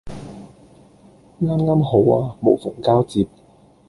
啱啱好啊無縫交接